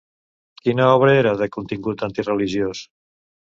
Quina obra era de contingut antireligiós?